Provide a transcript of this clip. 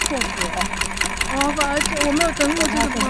开发东北航线的初期动机是经济性的。